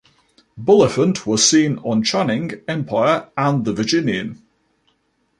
Bulifant was seen on "Channing", "Empire", and "The Virginian".